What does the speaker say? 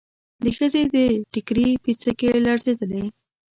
د ښځې د ټکري پيڅکې لړزېدلې.